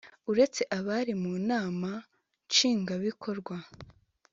Uretse abari mu nama Nshingwabikorwa